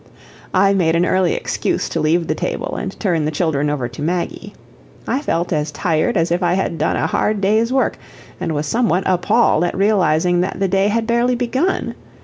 I made an early excuse to leave the table and turn the children over to Maggie. I felt as tired as if I had done a hard day's work, and was somewhat appalled at realizing that the day had barely begun.